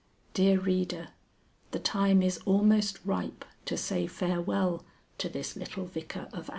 (Dear Reader, the time is almost ripe to say farewell to this little Vicar of ours.)